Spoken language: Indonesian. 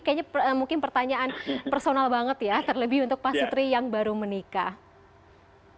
kayaknya mungkin pertanyaan personal banget ya terlebih untuk pak sutri yang baru menikah